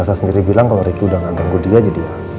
elsa sendiri bilang kalau itu udah nggak ganggu dia jadi ya